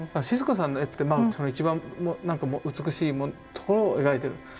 シスコさんの絵ってまあ一番美しいところを描いてる。